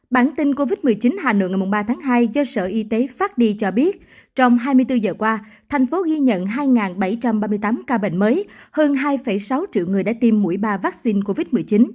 bản tin covid một mươi chín hà nội ngày ba tháng hai do sở y tế phát đi cho biết trong hai mươi bốn giờ qua thành phố ghi nhận hai bảy trăm ba mươi tám ca bệnh mới hơn hai sáu triệu người đã tiêm mũi ba vaccine covid một mươi chín